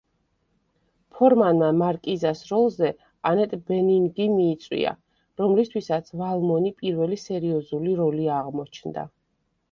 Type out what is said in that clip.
ფორმანმა მარკიზას როლზე ანეტ ბენინგი მიიწვია, რომლისთვისაც „ვალმონი“ პირველი სერიოზული როლი აღმოჩნდა.